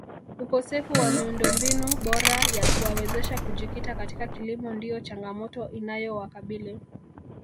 Ukosefu wa miundombinu bora ya kuwawezesha kujikita katika kilimo ndiyo changamoto inayowakabili